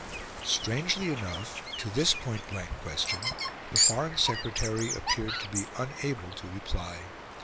Strangely enough, to this pointblank question, the Foreign Secretary appeared to be unable to reply.